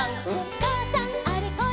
「かあさんあれこれ